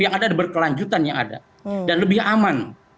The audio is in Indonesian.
yang ada berkelanjutan yang ada dan lebih aman